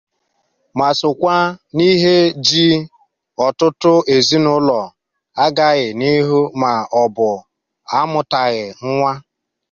ma sokwa n'ihe ji ọtụtụ ezinaụlọ agaghị n'ihu ma ọ bụ amụtaaghị nwa